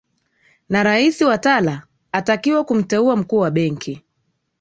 na rais watala atakiwa kumteua mkuu wa benki